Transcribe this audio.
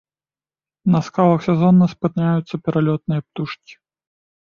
На скалах сезонна спыняюцца пералётныя птушкі.